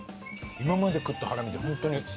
今まで食ったハラミで本当に。